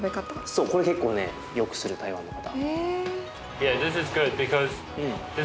そうこれ結構ねよくする台湾の方。